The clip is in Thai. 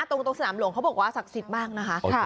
ตรงสนามหลวงเขาบอกว่าศักดิ์สิทธิ์มากนะคะ